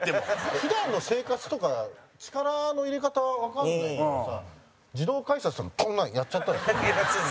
普段の生活とか力の入れ方、わからないとさ自動改札とか、こんなんやっちゃったりするの？